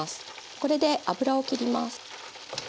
これで油を切ります。